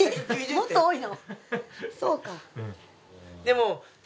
もっと多いの？